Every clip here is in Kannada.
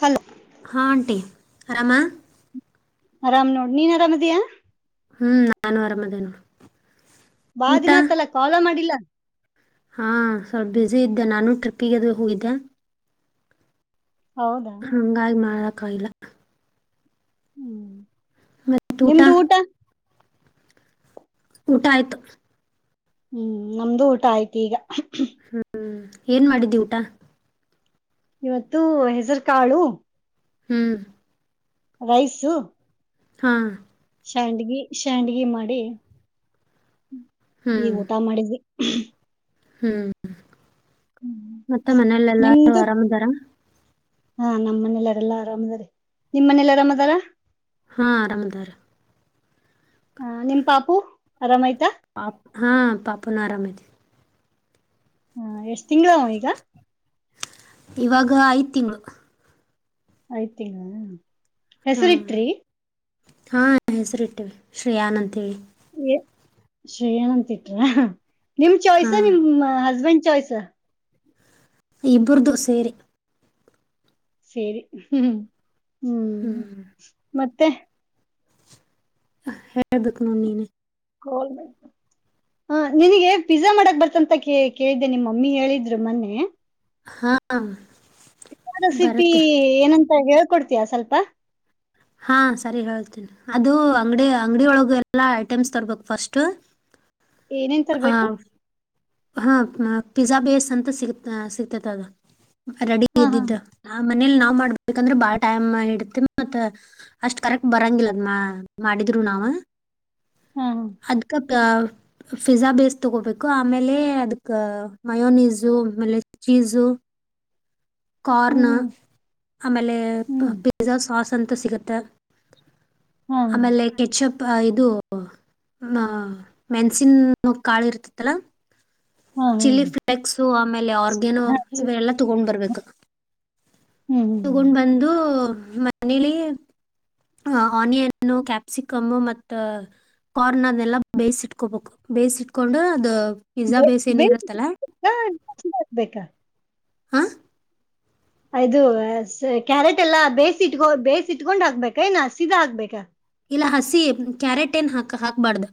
ಹಲೋ ಹಾ ಆಂಟೀ ರಮ ಆರಾಮ್ ನೋಡ್ ನೀನ್ ಅರಾಮ ಇದಿಯಾ ಹ್ಮ್ ನಾನು ಆರಾಮದೇ ನೋಡು ಬಾ ಊಟ ದಿನಾ ತಲ ಕಾಲ ಮಾಡಿಲ್ಲ ಹಾ ಸ್ವಲ್ಪ ಬ್ಯುಸ ಇದ್ದೆ ನಾನು ಟ್ರಿಪ್ಪಿಗೆದು ಹೋಗಿದ್ದೆ ಹೌದಾ ಹಂಗಾಗಿ ಮಾಡ ಕಾಯಲ್ಲ ಹ್ಮ್ [unintelligible] ಊಟ ಊಟ ಆಯ್ತು ಹ್ಮ್ ನಮ್ದು ಊಟ ಆಯ್ತಿು ಈಗ ಹ್ಮ್ ಏನು ಮಾಡಿದ್ದೀ ಊಟ ಇವತ್ತು ಹೆಸರು ಕಾಳು ಹ್ಮ್ ರೈಸು ಹಾ ಶಾಂಡಗಿ ಶ್ಯಾಂಡಗಿ ಮಾಡಿ ಈ ಹ್ಮ್ ಊಟ ಮಾಡಿದ್ವಿ [unintelligible] ಹ್ಮ್ ಹ್ಮ್ ಮತ್ತೆ ಮನೇಲ್ಲೆಲ್ಲಾರು ನಿಮ್ದು ಆರಾಮ್ದಾರ ಹಾ ನಮ್ಮನೆಲ್ಲಾರೆಲ್ಲಾ ಆರಾಮ್ ಅದಾರಿ ನಿಮ್ಮ್ ಮನೇಲ್ಲ ಅರಾಮ್ ಅದಾರ ಹಾ ಆರಾಮದಾರ ಹ ನಿಮ್ ಪಾಪು ಆರಾಮಾಯ್ತು ಆಪ್ ಹಾ ಪಾಪನು ಆರಾಮ್ತಿತಿ ಹಾ ಎಷ್ಟ್ ತಿಂಗಗಳ ಈಗ ಇವಾಗ ಐದು ತಿಂಗಳು ಆಯ್ತಿನ ಹಾ ಹೆಸರಿತ್ರಿ ಹಾ ಹೆಸರಿ ಇಟ್ಟೇವಿ ಶ್ರೇಯಾನ್ ಅಂತೇಳಿ ಶ್ರೀಯನಂತಿಟ್ರ ನಿಮ್ ಹಾ ಚಾಯ್ಸ್ ನಿಮ ಹಸ್ಬೆಂಡ್ ಚಾಯ್ಸ್ ಇಬ್ರದು ಸೇರಿ ಸರಿ ಹ್ಮ ಹ್ಮ್ ತ್ತೆ ಹ ಹೇಳ್ಬೇಕು ನೀ ಹ ಹ ನಿನಗೆ ಪಿಜಜಾ ಮಾಡಕ್ ಬರ್ತಂತ ಕ ಕೇಳ್ದೆ ನಿಮ್ಮ ಮಮ್ಮಿ ಹೇಳಿದ್ರು ಮೊನ್ನೆ ಹಾ ಇ ರೆಸಿಪಿ ಬರತ್ತೆ ಏನಂತ ಕೊಡ್ತೀಯ ಸ್ವಲ್ಪ ಹಾ ಸರಿ ಹೇಳ್ತೇನಿ ಅದು ಅಂಗಡಿ ಅಂಗಡಿ ಒಳಗೆ ಎಲ್ಲ ಐಟಮ್ಸ್ ತರ್ಬೇಕು ಫಸ್ಟ ಏನೇನ್ ತರ್ಬೇಕು ಹಾ ಪಿಜ್ಜಾ ಬೇಸ್ ಅಂತ ಸಿ ಸಿಗ್ತೇತ ಅದ ರೆಡಿ ಹಾ ಹಾ ಇದ್ದಿದ್ದ ಮನೇಲಿ ನಾವ್ ಮಾಡ್ಬೇಕಂದ್ರೆ ಬಾಳ ಟೈಮ್ ಇಡತ್ತೆ ಮತ್ತತ್ ಅಷ್ಟ್ ಕರೆಕ್ಟ್ ಬರಂಗಿಲ್ಲ ಅದ್ ಮಾಡಿದ್ರು ನಾವ್ ಹಾ ಹ ಆ [unintelligible] ಫಿಝಾ ಬೇಸ್ ತೊಗೋಬೇಕು ಆಮೇಲೆ ಅದಕ್ಕೆ ಮಯೋನೀಸು ಆಮೇಲೆ ಚೀಝು ಕಾರ್ನ್ ಹ್ಮ್ ಆಮೇಲೆ ಹ್ಮ್ ಹ್ಮ್ ಪಿಜಾ ಸಾಸ್ ಸಂತು ಸಿಗುತ್ತೆ ಹಾ ಆಮೇಲೆ ಕೆಚ್ಚಪ್ ಹ ಇದು ಹ ಮೇನ ಚಿನ್ ಕಾಳಿ ಇರ್ತತ್ತಲಾ ಹಾ ಚಿಲ್ಲಿ ಫ್ಲೇಕ್ಸ್ ಆಮೇಲೆ ಆರ್ಗ್ಯನೋ ಹಾ ಹಾ ಇವೆಲ್ಲ ತಗೊಂಡ್ ಬರ್ಬೇಕು ತ್ತ ಹ್ಮ್ ತಗೊಂಡ್ ಹ್ಮ್ ಬಂದು ಮನೇಲಿ ಅಹ ಆನಿಯನ್ನು ಕ್ಯಾಪ್ಸಿಕಮ್ ಮತ್ತ ಕಾರ್ನ್ ಅದನೆಲ್ಲ ಬೇಯಿಸಿ ಇಟ್ಕೋಬೇಕು ಬೇಯಿಸಿ ಇಟ್ಕೊಂಡು ಅದ ಪಿಜ್ಜಾ ಬೇಸ್ ಏನ್ ಇರತ್ತಲ್ಲ ಹಗ್ಬೇಕಾ [unintelligible] ಹಾ ಅದು ಕ್ಯಾರೆಟ್ ಎಲ್ಲಾ ಬೇಯಿಸಿ ಇಟ್ಕೊ ಬೇಯಸ ಇಟ್ಕೊಂಡ್ ಹಾಕ್ಬೇಕ ಏನ್ ಹಸೀದಾ ಹಾಕ್ಬೇಕ ಇಲ್ಲ ಹಸಿ ಕ್ಯಾರೆಟ್ ಏನ್ ಹಾಕ ಹಾಕ್ಬಾರ್ದ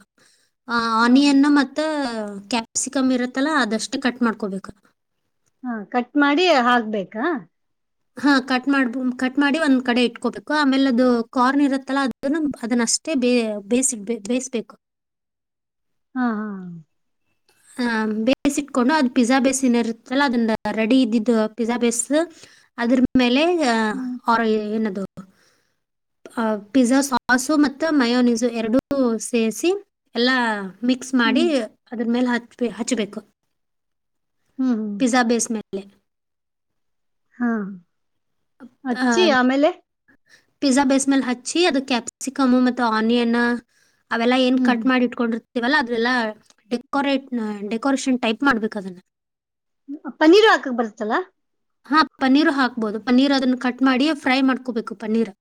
ಆ ಆನಿಯನ್ ಮತ್ತ ಕ್ಯಾಪ್ಸಿಕಮ್ ಇರತ್ತಲ್ಲ ಅದಷ್ಟು ಕಟ್ ಮಾಡ್ಕೋಬೇಕ ಹಾ ಕಟ್ ಮಾಡಿ ಹಾಕ್ಬೇಕಾ ಹಾ ಕಟ್ ಮಾಡ್ಬ ಕಟ್ ಮಾಡಿ ಒಂದ್ ಕಡೆ ಇಟ್ಕೋಬೇಕು ಆಮೇಲೆ ಅದು ಕಾರ್ನ್ ಇರುತ್ತಲ್ಲ ಅದನ್ನು ಅದನ್ನಷ್ಟೇ ಬೇ ಬೇಯಿಸಿಡ್ಬ ಬೇಯಿಸ್ಬೇಕು ಹಾ ಹಾ ಆಹ ಬೇಸ್ ಇಟ್ಕೊಂಡು ಅದ್ ಪಿಜ್ಜಾ ಬೇಸ್ ಏನ ಇರುತ್ತಲ್ಲ ಅದನ್ನ ರೆಡಿ ಇದ್ದಿದ್ದು ಪಿಜ್ಜಾ ಬೇಸ್ ಅದ್ರ ಮೇಲೆ ಹ್ಮ್ [unintelligible] ಏನದು ಪಿಜ್ಜಾ ಸಾಸ ಮತ್ತು ಮಯೋನೀಸು ಎರಡೂ ಸೇರಿಸಿ ಎಲ್ಲ ಮಿಕ್ಸ್ ಮಾಡಿ ಹ್ಮ್ ಅದ್ರ ಮೇಲೆ ಹಾಕ ಅಷ್ಟೇ ಹಚ್ಬೇಕು ಹ್ಮ್ ಪಿಝಾ ಬೇಸ್ಮಲ ಹ [unintelligible] ಹಾ ಹಚ್ಚಿ ಆಮೇಲೆ ಪಿಜಾ ಬೇಸ್ ಮೇಲೆ ಹಚ್ಚಿ ಅದು ಕ್ಯಾಪ್ಸಿಕಮ್ ಮತ್ತ ಆನಿಯನ್ ಅವೆಲ್ಲ ಏನ್ ಹ್ಮ್ ಕಟ್ ಮಾಡಿ ಇಟ್ಕೊಂಡಿರತ್ತ ವಲ್ಲ ಅದೆಲ್ಲಾ ಡೆಕೋರೇಟ್ ಡೆಕೋರೇಷನ್ ಟೈಪ್ ಮಾಡ್ಬೇಕ ಅದನ್ನ ಪನ್ನೀರು ಹಾಕಕ್ ಬರುತ್ತಲ್ಲಾ ಹಾ ಪನೀರು ಹಾಕ್ಬೋದು ಪನ್ನೀರ್ ಅದನ್ನ ಕಟ್ ಮಾಡಿ ಫ್ರೈ ಮಾಡ್ಕೋಬೇಕು ಪನ್ನೀರ್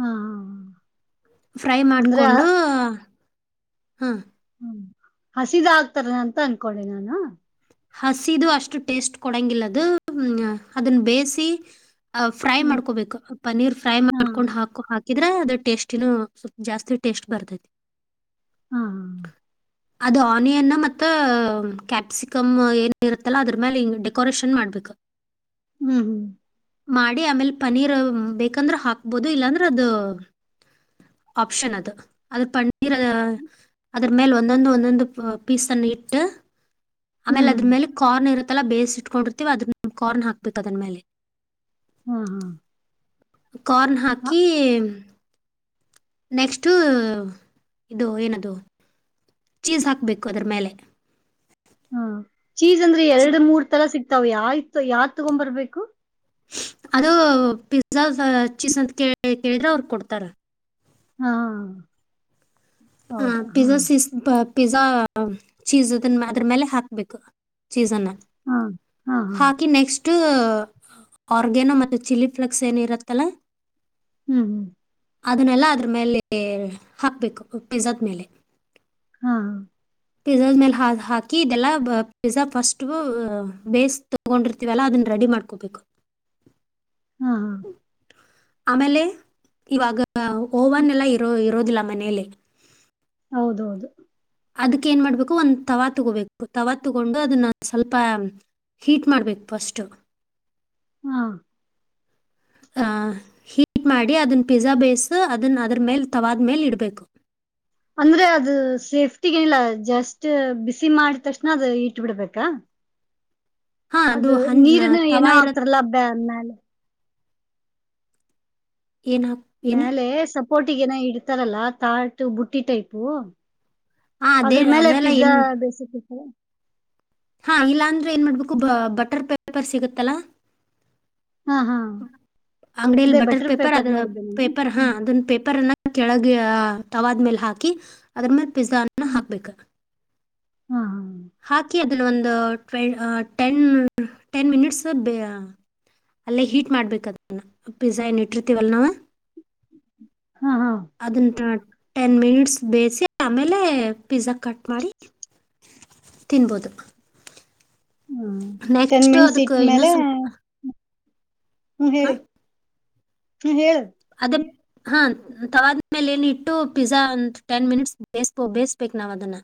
ಹಾ ಹಾ ಫ್ರೈ ಅಂದ್ರೆ ಮಾಡ್ಕೊಂಡು ಹ್ಮ ಹಸಿದ ಆಗ್ತಾರ ಅಂತ ಅನ್ಕೊಂಡೆ ನಾನ ಹಸಿದು ಅಷ್ಟು ಟೇಸ್ಟ್ ಕೊಡಂಗಿಲ್ಲ ಅದು ಅದನ್ನ ಬೇಯಸಿ ಅ ಫ್ರೈ ಹ್ಮ್ ಮಾಡ್ಕೋಬೇಕು ಪನೀರ್ ಫ್ರೈ ಹಾ ಮಾಡ್ಕೊಂಡ್ ಹಾಕು ಹಾಕ ಇದ್ರ ಅದ ಟೇಸ್ಟಿನ ಸ್ವಲ್ಪ ಜಾಸ್ತಿ ಟೇಸ್ಟ್ ಬರ್ತೈತಿ ಹಾ ಅದು ಆನಿಯನ್ ಮತ್ತ ಕ್ಯಾಪ್ಸಿ ಕಮ ಏನ್ ಇರುತ್ತಲ್ಲ ಅದ್ರ ಮೇಲೆ ಹಿಂಗ ಡೆಕೋರೇಷನ್ ಮಾಡ್ಬೇಕು ಹ್ಮ ಹ್ಮ ಮಾಡಿ ಆಮೇಲೆ ಪನೀರ್ ಬೇಕಂದ್ರ ಹಾಕ್ಬೋದು ಇಲ್ಲಾಂದ್ರ ಅದು ಆಪ್ಷನ್ ಅದು ಅದ್ರ ಪನ್ನೀರ್ ಅದ್ರ ಮೇಲೆ ಒಂದೊಂದು ಒಂದೊಂದು ಪೀಸ್ನ್ನು ಇಟ್ಟ ಹ್ಮ್ ಆಮೇಲೆ ಅದ್ರೇಲೆ ಕಾರ್ನ್ ಇರುತ್ ಲ್ಲ ಬೇಯಿಸಿ ಇಟ್ಕೊಂಡಿರ್ತೀವಿ ಅದನ್ನ ಕಾರ್ನ್ ಹಾಕ್ಬೇಕು ಅದನ್ ಮೇಲೆ ಹ್ಮ ಹಾ ಕಾರ್ನ್ ಹಾ ಹಾಕಿ ನೆಕ್ಸ್ಟ್ ಇದು ಏನದು ಚೀಸ್ ಹಾಕ್ಬೇಕು ಅದ್ರ ಮೇಲೆ ಹಾ ಚೀಸ್ ಅಂದ್ರೆ ಎರಡು ಮೂರ್ ತರ ಸಿಕ್ತ ತ ಯಾತು ಯಾವ ತಗೊ ಬರ್ಬೇಕು ಅದು ಪಿಜ್ಜಾ ಚೀಸ್ ಅಂತ ಕ ಕೇಳಿದ್ರೆ ಅವ್ರ ಕೊಡ್ತಾರ ಹಾ ಆ ಹೌದಾ ಹಾ ಪಿಜ್ಜಾ ಸಿಸ ಪಿಜಜಾ ಚೀಸ್ ಅದನ್ನ ಅದ್ರ ಮೇಲೆ ಹಾಕ್ಬೇಕು ಚೀಸ್ ಅನ್ನ ಹಾ ಹಾ ಹಾ ಅ ಆರ್ಗ್ಯಾನೋ ಮತ್ತು ಚಿಲ್ಲಿ ಫ್ಲೆಕ್ಸ್ ಏನ ಇರುತ್ತಲ್ಲ ಹ್ಮ್ ಹ್ಮ್ ಅದನ್ನೆಲ್ಲ ಅದ್ರ ಮೇಲೆ ಹಾಕ್ಬೇಕು ಪಿಜಾದ ಮೇಲೆ ಹಾ ಪಿಜ್ಜಾದ ಮೇಲೆ ಹಾ ಹಾಕಿ ಇದೆಲ್ಲ ಪಿಜ್ಜಾ ಫಸ್ಟು ಬೇಸ್ ತಗೊಂಡಿರ್ತೀವಲ್ಲ ಅದನ್ನ ರೆಡಿ ಮಾಡ್ಕೊಬೇಕು ಹಾ ಆಮೇಲೆ ಇವಾಗ ಓವನ್ ಎಲ್ಲ ಇರೋ ಇರೋದಿಲ್ಲ ಮನೇಲಿ ಹೌದೌದು ಅದಕ್ಕೆ ಏನ್ ಮಾಡ್ಬೇಕು ಒಂದು ತವಾ ತೊಗೋಬೇಕು ತವಾ ತಗೊಂಡು ಅದನ್ನ ಸ್ವಲ್ಪ ಹೀಟ್ ಮಾಡ್ಬೇಕು ಫಸ್ಟು ಹಾ ಹೀಟ್ ಮಾಡಿ ಅದನ್ನ ಪಿಜ್ಜಾ ಬೇಯಸ್ ಅದನ್ನ ಅದ್ರ ಮೇಲೆ ತವಾದ್ಮೇಲೆ ಇಡ್ಬೇಕು ಅಂದ್ರೆ ಅದು ಸೇಫ್ಟಿಗ ಏನಿಲ್ಲ ಜಸ್ಟ್ ಬಿಸಿ ಮಾಡ ತಕ್ಷಣ ಅದು ಇಟ್ಟ ಬಿಡ್ಬೇಕಾ ಹಾ ಅದು ಹನ್ ನೀರನ್ನ ಏನೋ ತವಾ ಇರತ್ತಲ್ಲ ಹಾಕ್ತಾರಲ್ಲ ಬ್ಮೇಲೆ ಏನ್ ಹಾಕ್ ಏನು ಮೇಲೆ ಸಪೋರ್ಟ್ ಬಟ್ಟಿಗೆನ ಇಡ್ತಾರಲ್ಲಾ ತಾಟು ಬುಟ್ಟಿ ಟೈಪು ಹಾ ಅದೇ ಅದ್ರ ಮೇಲೆ ಅದೆಲ್ಲ ಪಿಜಜಾ ಏನ್ ಬೇಸಕ್ ಹಾ ಇಲ್ಲಾ ಅಂದ್ರೆ ಏನ್ ಮಾಡ್ಬೇಕು ಬ ಬಟರ್ ಪೆಪರ್ ಸಿಗತ್ತಲ್ಲಾ ಹಾ ಹಾ ಅಂಗಡಿಲ್ಲಿ ಅದೇ ಬಟರ್ ಪೇಪರ್ ಅದ ನೋಡಿದ್ದೆ ನಾನು ಪೇಪರ್ ಹಾ ಹ್ಮ್ ಅದನ್ ಪೇಪರ್ ಕೆಳಗೆ ತವಾದ ಮೇಲೆ ಹಾಕಿ ಅದ್ರ ಮೇ ಪಿಜಜ ಹ್ಮ್ ಹಾಕ್ಬೇಕ ಹಾ ಹಾಕಿ ಅಲ ಒಂದು ಟೆನ್ ಟೆನ್ ಮಿನಿಟ್ಸ್. ಅಲ್ಲೇ ಹೀಟ್ ಮಾಡ್ಬೇಕದ ಪಿಜ್ಜಾ ಏನು ಇಟ್ಟಿರ್ತೀವಲ್ಲ ನವು ಹಾ ಹಾ ಅದನ್ನ ಟೆನ್ ಮಿನಿಟ್ಸ್ ಬೇಯಿಸಿ ಆಮೇಲೆ ಪಿಜಝಾ ಕಟ್ ಮಾಡಿ ತಿನ್ಬೋದು ಹ್ಮ ಟೆನ್ ನೆಕ್ಸ್ಟ್ ಮಿನಿಟ್ಸ್ ಅದಕ್ಕೆ ಇನ್ನೂ ಇಟ್ಟ್ಮೇಲೆ ಸ್ವಲ್ಪ ಹ್ಮ್ ಹೇಳಿ ಸುಹಲ್ ಅದೇ ಹಾ ತವಾದ್ಮೇಲೆ ಏನ ಇಟ್ಟು ಪಿಜ್ಜಾ ಒಂದು ಟೆನ್ ಮಿನಿಟ್ಸ್ ಬೇಯಿಸಬೋ ಬೇಯಿಸ್ಬೇಕು ನಾವ್ ಅದನ್ನ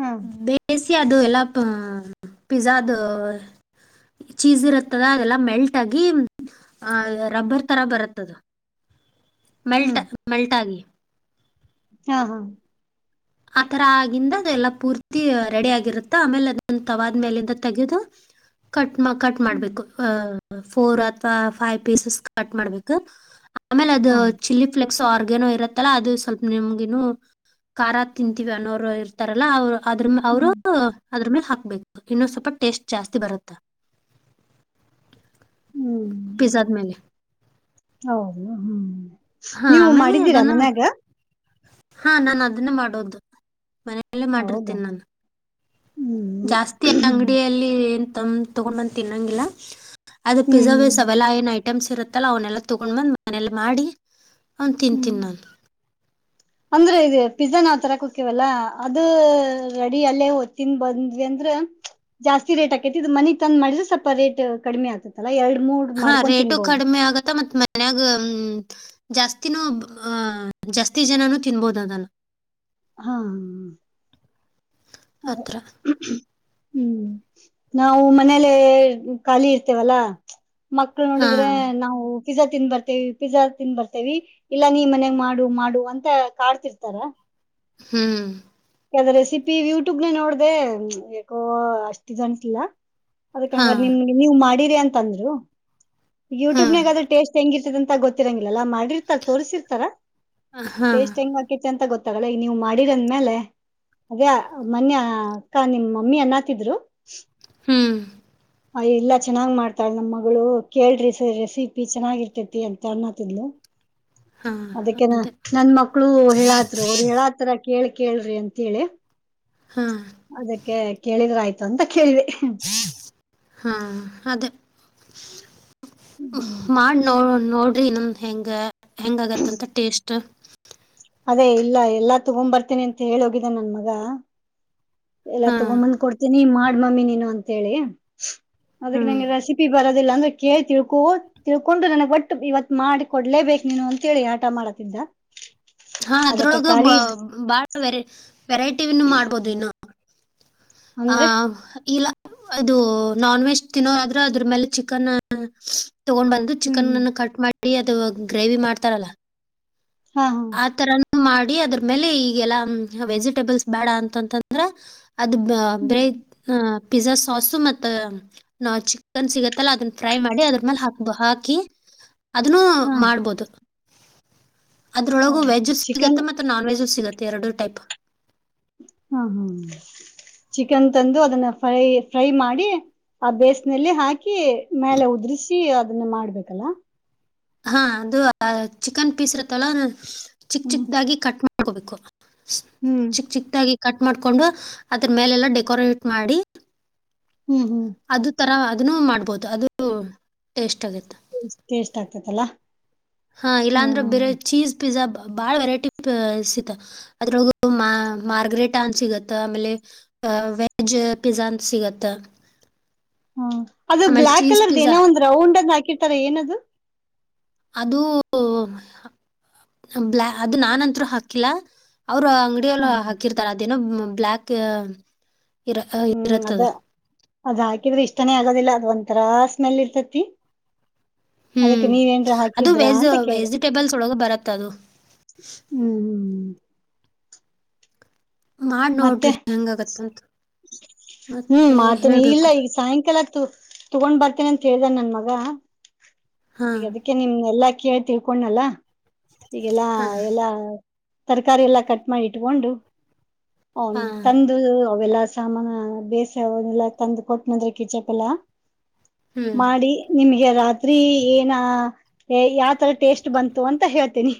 ಹಾ ಬೇಸ್ ಅದು ಎಲ್ಲ ಪಿಜಾ ಅದು ಚೀಸ್ ಇರುತ್ತದ ಅದೆಲ್ಲಾ ಮೆಲ್ಟ್ ಆಗಿ ರಬ್ಬರ್ ತರ ಬರುತ್ತದು ಮೆಲ್ಟ್ ಹ್ಮ್ ಮೆಲ್ಟ್ ಆಗಿ ಹಾ ಹಾ ಆತರ ಆಗಂದ ಅದೆಲ್ಲಾ ಪೂರ್ತಿ ರೆಡಿ ಆಗಿರುತ್ತೆ ಆಮೇಲೆ ಅದ ತವಾದ್ಮೇಲಿಂದ ತೆಗೆದು ಕಟ್ ಕಟ್ ಹ್ಮ್ ಮಾಡ್ಬೇಕು ಅ ಫೋರ್ ಅಥವಾ ಫೈವ್ ಪೀಸಸ್ ಕಟ್ ಮಾಡ್ಬೇಕು ಆಮೇಲೆ ಅದು ಹಾ ಚಿಲ್ಲಿ ಫ್ಲಲೆಕ್ ಆರ್ಗೇನೋ ಇರತ್ತಲ್ಲ ಅದು ಸ್ವಲ್ಪ ನಿಮ್ಗ ಖ ತಿಂತೀವಿ ಅನ್ನೋರು ಇರ್ತಾರಲ್ಲ ಅವ್ರು ಅದ್ರ ಅವರು ಹ್ಮ್ ಅದ್ರ ಮೇಲೆ ಹಾಕ್ಬೇಕು ಇನ್ನೊಂದು ಸ್ವಲ್ಪ ಟೇಸ್ಟ್ ಜಾಸ್ತಿ ಬರುತ್ತ ಹ್ಮ್ ಪಿಜ್ಜಾದ ಮೇಲೆ ಹೌದು ಹ್ಮ್ ಹಾ ನೀವು ಆಮೇಲೆ ಮಾಡಿದ್ದೀರಾ ಅದನ್ನ ಮನ್ಯಾಗ ಹಾ ನಾನ್ ಅದನ್ನ ಮಾಡೋದು ಮ ಲ್ಲ ಹೌದಾ ಮಾಡಿರ್ತೇನೆ ನಾನು ಹ್ಮ್ ಜಾಸ್ತಿ ಅಂಗಡಿಯಲ್ಲಿ ತಗೋ ಬಂದ್ ತಿನ್ನೊಂಗಿಲ್ಲ ಅದು ಹ್ಮ್ ಪಿಸರ್ವೇ ಸವಲಾಯ ನಾಯು ಐಟಮ್ಸ್ ಇರುತ್ತಲ್ಲ ಅವನ್ನೆಲ್ಲ ತಗೊಂಡ್ ಬಂದು ಮನೇಲಿ ಮಾಡಿ ಆ ಹ್ಮ್ ತಿಂತಿನ್ ನಾನು ಅಂದ್ರೆ ಇದೆ ಪಿಜ್ ನಾವ ತರಕುಕ್ಕವಲ್ಲ ಅದು ರೆಡಿ ಅಲ್ಲೇ ತಿಂದ್ ಬಂದ್ವಿ ಅಂದ್ರೆ ಜಾಸ್ತಿ ರೇಟ್ ಆಕೈತಿ ಇ ಮನಗ್ ತಂದ ಮಾಡಿದ್ರೆ ಸ್ವಲ್ಪ ರೇಟ್ ಕಡಿಮೆ ಆಗ್ತತ ಹಾ ರೇಟು ಕಡಿಮೆ ಆಗತ್ತ ಮತ್ತ್ ಮನ್ಯಾಗ ಹ್ಮ ಜಾಸ್ತಿನೂ ಅಹ ಜಾಸ್ತಿ ಜನನುೂ ತಿನ್ಬೋದ ಅದಲ್ಲ ಹಾ ಅದೇ ಅತ್ರ ಹ್ಮ್ ನಾವು ಮನೇಲೆ ಖಾಲಿ ಇರ್ತೇವಲ್ಲಾ ಮಕ್ಳ ಹಾ ನೋಡಿದ್ರೆ ನಾವು ಪಿಜ್ಜಾ ತಿನ್ ಬರ್ತೇವಿ ಪಿಜ್ಜಾ ತಿನ್ ಬರ್ತೇವಿ ಇಲ್ಲಾ ನೀ ಮನೆಗೆ ಮಾಡು ಮಾಡು ಅಂತ ಕಾಡ್ತಿರ್ತಾರ ಹ್ಮ್ ಯದ ರೆಸಿಪಿ ಯೂಟ್ಯೂಬ್ ನ ನೋಡ್ದೆ ಯಾಕೋ ಅಷ್ಟ ಇದ ಅಂಟಿಲ್ಲ ಹಾ ಅದಕ್ಕಂಗ ನಿಮ್ಗೆ ನೀ ಮಾ ಮಾಡೀರಿ ಅಂತಂದ್ರು ಹಾ ಯೂಟ್ಯೂಬ್ನಾಗ ಅ್ರ ಟೇಸ್ಟ್ ಹೆಂಗಿ ರಂತ ಗೊತ್ತಿರಂಗಿಲ್ಲಲ್ಲಾ ಮಾಡಿ ತೋರಿಸಿರ್ತಾರ ಹಾ ಟೇಸ್ ಹೆಂಗ್ ಹಕ ಅ ಗೊತ್ತ ತಗಗಳ ನೀವು ಮಾಡಿರಂದ್ಮೇಲೆ ಅದೇ ಮನ್ಯ ಅಕ್ಕ ನಿಮ್ ಮಮ್ಮಿ ಅನ್ನತಿದ್ರು ಹ್ಮ್ ಅ ಇಲ್ಲ ಚೆನ್ನಾಗ್ ಮಾಡ್ತಾಳ ನಮ್ ಮಗಳು ಕೇಳ್ರಿ ಸ ರೆಸಿಪಿ ಚೆನ್ನಾಗಿರ್ತೇತಿ ಅಂತ ಅನ್ನತಿದ್ಲು ಹಾ ಅದಕ್ಕೆನಾ ಅದೇ ನನ್ ಮಕ್ಳು ಹೇಳತ್ರರು ಅವರು ಹೇಳಾತರ ಕೇಳಿ ಕೇಳ್ರಿ ಅಂತೇಳಿ ಹಾ ಅದಕ್ಕೆ ಕೇಳಿದ್ರ ಆಯ್ತು ಅಂತ ಕೇಳಿದೆ ಹ್ಮ [inaudible] ಹಾ ಅದೇ ಹ್ಮ್ ಮಾಡ್ನೋಡ್ ರೀ ನಮ್ ಹೆಂಗ ಹೆಂಗಗತ್ತಂತ ಟೇಸ್ಟ್ ಷ್ಟ ಅದೇ ಇಲ್ಲ ಎಲ್ಲಾ ತಗೊ ಬರ್ತೇನಿ ಅಂತ ಹೇಳಿ ಹೋಗಿದ್ದನ್ ನನ್ ಮಗ ಎಲ್ಲಾ ಹಾ ತಗೊಂಬಂದ್ ಕೊಡ್ತೀನಿ ಮಾಡ ಮಮ್ಮಿ ನೀನು ಅಂತ ಹೇಳಿ ಅದಕ್ ಹ್ಮ್ ನಂಗೆ ರೆಸಿಪಿ ಬರೋದಿಲ್ಲ ಅಂದ್ರೆ ಕೇಳ್ತಿವಿ ತಿಳ್ಕೊಂಡು ನನಗ್ ಒಟ್ಟು ಇವತ್ ಮಾಡಿ ಕೊಡ್ಲೇಬೇಕು ನೀನು ಅಂತೇಳಿ ಆಟ ಮಾಡತಿದ್ದ ಹಾ ಅದಕ್ಕೆ ಅದ್ರೊಳಗ ಬ ಖಾಲಿ ಬಾಳ ವೆರ ವೆರೈಟಿನ್ನು ಮಾಡ್ಬೋದು ಇನ್ನು [inaudible] ಆ ಅಂದ್ರೆ ಇಲ್ಲ ಅದು ನಾನ್ ವೆಜ್ ತಿನ್ನೋ ಆದ್ರೆ ಅದ್ರ ಮೇಲೆ ಚಿಕನ್ ತಗೊಂಡ್ ಬಂದು ಹ್ಮ್ ಚಿಕನ್ನ್ಕಟ್ ಮಾಡಿ ನಡಿ ಅದು ಗ್ರೇವಿ ಮಾಡ್ತಾರಲ್ಲ ಹಾ ಹಾ ಆ ತರಾನು ಮಾಡಿ ಅದ್ರ ಮೇಲೆ ಈಗೆಲ್ಲಾ ವೆಜಿಟೇಬಲ್ಸ್ ಬೇಡ ಅಂತಂತಂದ್ರ ಅದು ಬ್ರೇ [inaudible] ಪಿಜಜಾ ಸಾಸು ಮತ್ತೆ ಚಿಕನ್ ಸಿಗತ್ತಲ್ಲ ಅದನ್ನ ಫ್ರೈ ಮಾಡಿ ಅದ್ರ ಮೇಲೆ ಹಾಕ್ ಹಾಕಿ ಅದನ್ನು ಹಾ ಮಾಡ್ಬೋದು ಹಾ ಅದ್ರೊಳಗ ವೆಜ್ ಚಿಕನ್ ಸಿಗತ್ತ ಮತ್ತೆ ನಾನ್ ವೆಜಸಿಗುತ್ತ ಎರಡು ಟೈಪ್ ಹಾ ಹಾ ಚಿಕನ್ ತಂದು ಅದನ್ನ ಫ್ರೈ ಫ್ರೈ ಮಾಡಿ ಆ ಬೇಸ್ನಲ್ಲಿ ಹಾಕಿ ಹಾಕಿ ಮೇಲೆ ಉದ್ರಿಸಿ ಅ ಅದನ್ನೇ ಮಾಡ್ಬೇಕಲ್ಲ ಹಾ ಅದು ಚಿಕನ್ ಪೀಸ್ ಇರತ್ತಲ್ಲ ಚಿಕ್ ಹ್ಮ್ ಚಿಕ್ದಾಗಿ ಕಟ್ ಮಾಡ ಹಕೋಬೇಕು ಹ್ಮ್ ಚಿಕ್ ಚಿಕ್ಕದಾಗಿ ಕಟ್ ಮಾಡ್ಕೊಂಡು ಅದ್ರ ಮೇಲೆಲ್ಲ ಡೆಕೋರೇಟ್ ಮಾಡಿ ಹ್ಮ್ ಹ್ಮ್ ಅದು ತರ ಅದ ಮಾಡಬಹುದು ಅದು ಟೇಸ್ಟ್ ಆಗ ಷ್ಟ ಎೇಷ್ಟ ಆಗ್ತತಲ್ಲ ಹಾ ಇಲ್ಲಾ ಅಂದ್ರೆ ಬೇರೆ ಚೀಸ್ ಪಿಜಾ ಬ ಬಾಳ ವೆರೈಟಿ ಸಿತ ಅದ್ರೊ ಮಾರ್ಗ್ರೆಟಾ ಅನ್ ಸಿಗತ್ತ ಆಮೇಲೆ ವೆಜ್ ಪಿಜಾ ಅಂತ ಸಿಗತ್ತ ಹ್ಮ್ ಅದು ಆಮೇಲೆ ಬ್ಲಾ ಚೀಸ್ ಕಲರ್ದ ಪಿಜ್ಜಾ ಏನೋ ಒಂದ್ ರೌಂಡ್ ಕಿರ್ತಾರ ಏನದು ಅದು ಅದು ನನ್ಂತರು ಹಾಕಿಲ್ಲ ಅವರು ಅಂಗಡಿಯ ಎಲ್ಲ ಹ್ಮ್ ಹಾಕಿರ್ತಾರೆ ಅದೇನ ಬ್ಲಾಕ್ ಹ್ಮ್ ಅದ ಅದ್ ಹಾಕಿದ್ರೆ ಇಷ್ಟಾನೇ ಆಗೋದಿಲ್ಲ ಅದ್ ಒಂದ ಆರಾ ಸ್ಮೆಲ್ ಇರ್ತತಿ ಅದಕ್ಕೆ ಹ್ಮ್ ನೀವೇನ್ರ ಅದು ಹಾಕಿದ್ರ ವೆಜ್ ಅಂತ ಕೇಳಿದೆ ವೆಜಿಟೇಬಲ್ಸ್ ಒಳಗ ಬರತ್ತ ಅದು ಹ್ಮ್ ಹ್ಮ್ ಮಾಡಿ ಮತ್ತೆ ನೋಡ್ರಿ ಹೆಂಗಗತ್ತಂತ ಹ್ಮ್ ಮತ್ತೆ ಮಾಡ್ತೀನಿ ಇಲ್ಲ ಹೇಳ್ಬೇಕು ಈಗ ಸಾಯಂಕಾಲ ತಗೊಂಡ್ ಬರ್ತೇನ ಅಂತ ಹೇಳ್ದಾನ ನನ್ ಮಗ ಹಾ ಹಗದಕ್ಕೆ ನಿಮ್ ಎಲ್ಲಾ ಕೇಳಿ ತಿಳ್ಕೊಂಡನಲ್ಲಾ ಈಗೆಲ್ಲಾ ಹಾ ಎಲ್ಲಾ ತರಕಾರಿ ಎಲ್ಲಾ ಕಟ್ ಮಾಡಿ ಇಟ್ಕೊಂಡು ಹನ್ ಹಾ ತಂದು ಅವೆಲ್ಲ ಸಾಮಾನ ಬೇಸ ಅವಲ್ಲ ತಂದು ಕೊಟ್ಟನಂದ್ರೆ ಕಿಚಪ್ ಎಲ್ಲ ಹ್ಮ್ ಮಾಡಿ ನಿಮಗೆ ರಾತ್ರಿ ಏನ ಯಾವತರ ಟೇಸ್ಟ್ ಬಂತು ಅಂತ ಹೇಳ್ತೇನಿ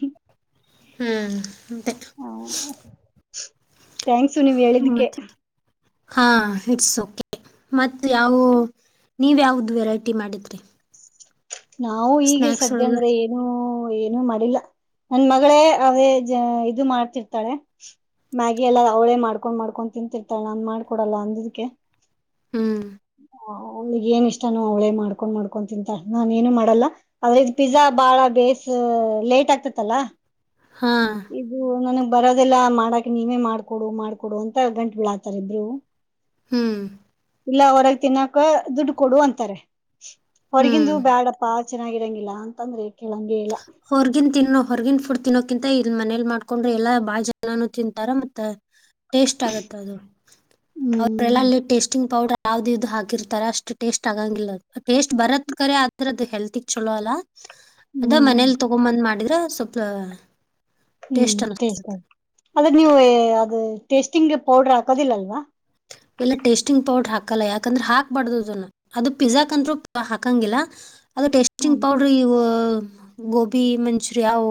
ಹ್ಮ್ ಎಂತೆ [unintelligible] [inaudible] ಥ್ಯಾಂಕ್ಸು ನೀವ್ ಹೇಳಿದಕ್ಕೆ ಹಾ ಇಟ್ಸ್ ಓಕೆ ಮತ್ತ ಯಾವವು ನೀವ ಯಾವ್ದ ವೆರೈಟಿ ಮಾಡಿದ್ರಿ. ನಾವು ಈಗೆ ಸ್ನ್ಯಾಕ್ಸ್ ಸದ್ಯ ಒಳಗ ಅಂದ್ರೆ ಏನು. ಏನುೂ ಮಾಡಿಲ್ಲ ನನ್ ಮಗಳೇ ಅವೇ ಇದು ಮಾಡ್ತಿರ್ತಾಳೆ ಮ್ಯಾಗಿ ಎಲ್ಲ ಅವಳೇ ಮಾಡ್ಕೊಂಡ್ ಮಾಡ್ಕೊಂಡ್ ತಿಂತಿರ್ತಾಳೆ ನಾನನ್ ಮಾಡ್ಕೊಡಲ್ಲ ಅಂದದಕ್ಕೆ ಹ್ಮ್ ಅವಳ್ಗೆ ಏನ್ ಇಷ್ಟನು ಅವಳೇ ಮಾಡ್ಕೊಂಡ್ ಮಾಡ್ಕೊಂಡು ತಿಂತಾಳೆ ನಾನೇಏನು ಮಾಡಲ್ಲ ಆದ್ರೆ ಪಿಜ್ಜಾ ಬಾಳ ಬೇಸ್ ಲೇಟ್ ಆಗ್ತತ್ತಲ್ಲ ಹಾ ಇದು ನನ್ನ ಬರೋದೆಲ್ಲ ಮಾಡಕ ನೀವೇ ಮಾಡ್ಕೊಡು ಮಾಡ್ಕೊಡು ಅಂತ ಗಂಟು ಬಿಳಾತಾರ ಇಬ್ರು ಹ್ಮ್ ಇಲ್ಲ ಹೊರಗ್ ತಿನ್ನಾಕ ದುಡ್ ಕೊಡು ಅಂತಾರೆ ಹ್ಮ್ ಹೊರಗಿಂದು ಬ್ಯಾಡಪ್ಪಾ ಚೆನ್ನಾಗಿರಂಗಿಲ್ಲ ಅಂತಂದ್ರೆ ಕೇಳಂಗಗೆ ಇಲ್ಲ ಹೊರ್ಗಿನ್ ತಿನ್ನೋ ಹೊರ್ಗಿನ್ ಫಡ್ ತಿನ್ನೋಕಿಂತ ಇಲ್ ಮನೇಲಿ ಮಾಡ್ಕೊಂಡ್ರೆ ಎಲ್ಲಾ ಬಾಜನಾನ ತಿಂತಾರ ಮತ್ತ ಟೇಸ್ಟ್ ಆಗುತ್ತೆ ಅದು ಹ್ಮ್ ಅವರೆಲ್ಲಲ್ಲಿ ಟೇಸ್ಟಿಂಗ್ ಪೌಡರ್ ಯಾವ್ದ ಇದು ಹಾಕಿರ್ತಾರೆ ಅಷ್ಟ್ ಟೇಸ್ಟ್ ಆಗಂಗಿಲ್ಲ ಟೇಸ್ಟ್ ಬರತ್ ಕರೆ ಆದ್ರ ಅದು ಹೆಲ್ತಿಗ್ ಚಲೋ ಅಲ್ಲ ಅದ ಹ್ಮ್ ಮನೇಲಿ [unintelligible] ಮಾಡಿದ್ರ ಸ್ವಲ್ಪ ಹ್ಮ್ ಟೇಸ್ಟ್ ಅದ್ರ ನೀವು ಅದು ಟೇಸ್ಟಿಂಗ್ ಪೌಡ್ರ ಹಾಕದಿಲ್ಲ ಅಲ್ವಾ ಎಲ್ಲ ಟೇಸ್ಟಿಂಗ್ ಪೌಡ್ರ ಹಾಕಲ್ಲ ಯಾಕಂದ್ರೆ ಹಾಕ್ಬಾರ್ದನ್ನ ಅದು ಪಿಜಜಾಕ್ಂದ್ರೂ ಹಾಕಂಗಿಲ್ಲ ಅದು ಹಾ ಟೆಸ್ಟಿಂಗ್ ಪೌಡ್ರ ಈವಾಆ ಗೋಭಿ ಮಂಚೂರಿಯ